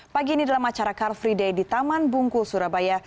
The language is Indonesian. pagi ini dalam acara car free day di taman bungkul surabaya